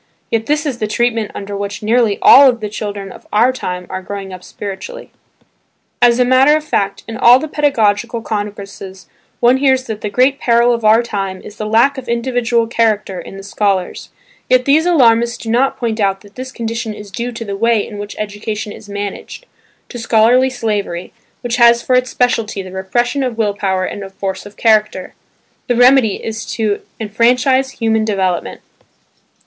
Yet this is the treatment under which nearly all the children of our time are growing up spiritually. As a matter of fact in all the pedagogical congresses one hears that the great peril of our time is the lack of individual character in the scholars; yet these alarmists do not point out that this condition is due to the way in which education is managed, to scholastic slavery, which has for its specialty the repression of will power and of force of character. The remedy is simply to enfranchise human development.